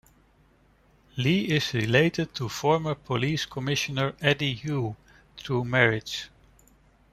Lee is related to former police commissioner Eddie Hui through marriage.